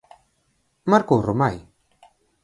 Marcou Romai.